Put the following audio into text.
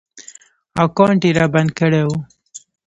اکاونټ ېې رابند کړی و